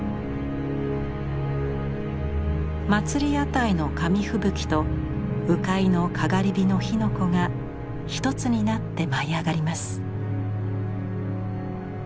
祭り屋台の紙吹雪と鵜飼いのかがり火の火の粉が一つになって舞い上がります。